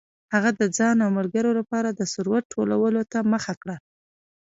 هغه د ځان او ملګرو لپاره د ثروت ټولولو ته مخه کړه.